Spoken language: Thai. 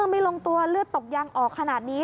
ไม่ลงตัวเลือดตกยางออกขนาดนี้